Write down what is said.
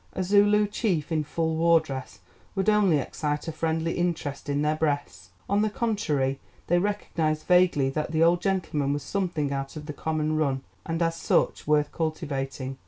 A Zulu chief in full war dress would only excite a friendly interest in their breasts. On the contrary they recognised vaguely that the old gentleman was something out of the common run, and as such worth cultivating.